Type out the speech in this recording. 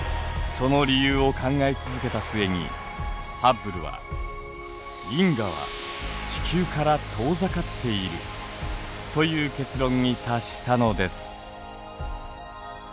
その理由を考え続けた末にハッブルは「銀河は地球から遠ざかっている」という結論に達したのです。